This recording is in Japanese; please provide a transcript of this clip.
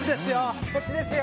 こっちですよ。